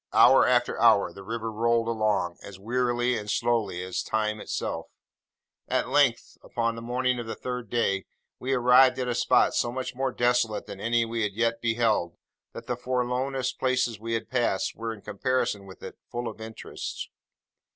Hour after hour, the river rolled along, as wearily and slowly as the time itself. At length, upon the morning of the third day, we arrived at a spot so much more desolate than any we had yet beheld, that the forlornest places we had passed, were, in comparison with it, full of interest.